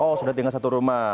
oh sudah tinggal satu rumah